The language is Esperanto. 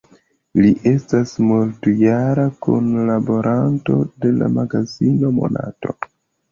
Li estas multjara kunlaboranto de la magazino "Monato".